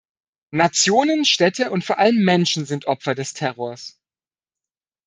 Nationen, Städte und vor allem Menschen sind Opfer des Terrors.